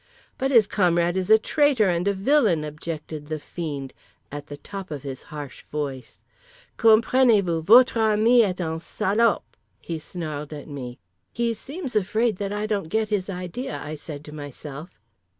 —"But his comrade is a traitor and a villain!" objected the Fiend, at the top of his harsh voice—"Comprenez vous; votre ami est UN SALOP!" he snarled at me. He seems afraid that I don't get his idea, I said to myself.